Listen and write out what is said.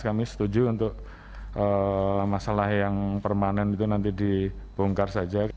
kami setuju untuk masalah yang permanen itu nanti dibongkar saja